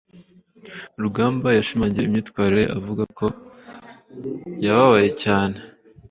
Rugamba yashimangiye imyitwarire ye avuga ko yababaye cyane.